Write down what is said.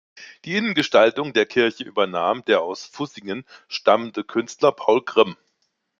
Die Innengestaltung der Kirche übernahm der aus Fussingen stammende Künstler Paul Grimm.